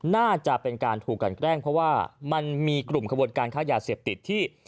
น่าจะเป็นการถูกกันแกล้งเพราะว่ามันมีกลุ่มขบวนการค้ายาเสพติดที่